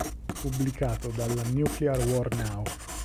Pubblicato dalla Nuclear War Now!